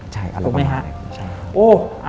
ใช่เราก็มาเลยคุณช้า